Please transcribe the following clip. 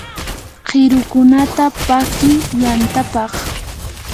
qirukunata paki yantapaq.